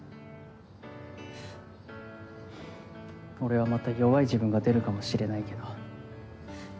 俺はまた弱い自分が出るかもしれないけど。